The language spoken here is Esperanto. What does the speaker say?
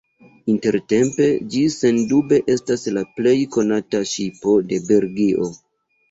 Intertempe ĝi sendube estas la plej konata ŝipo de Belgio.